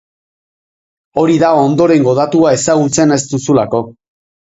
Hori da ondorengo datua ezagutzen ez duzulako.